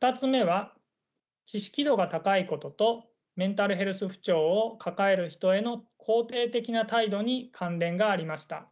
２つ目は知識度が高いこととメンタルヘルス不調を抱える人への肯定的な態度に関連がありました。